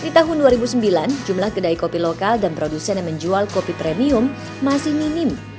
di tahun dua ribu sembilan jumlah kedai kopi lokal dan produsen yang menjual kopi premium masih minim